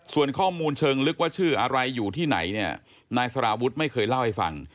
ส่วนข้อมูลเชิงลึกว่าชื่ออะไรอยู่ที่ไหนเนี่ยนายสารวุฒิไม่เคยเล่าให้ฟัง